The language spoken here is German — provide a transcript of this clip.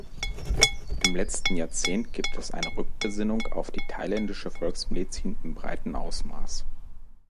Im letzten Jahrzehnt gibt es eine „Rückbesinnung“ auf die thailändische Volksmedizin im breiten Ausmaß.